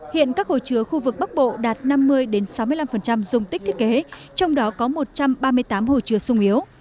hiện các hồ chứa khu vực bắc bộ đạt năm mươi sáu mươi năm dùng tích thiết kế trong đó có một trăm ba mươi tám hồ chứa sung yếu